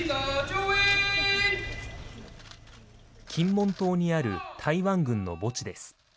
金門島にある台湾軍の墓地です。